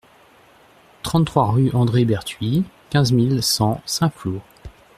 trente-trois rue André Bertuit, quinze mille cent Saint-Flour